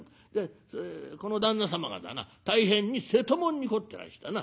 「この旦那様がだな大変に瀬戸物に凝ってらしてな」。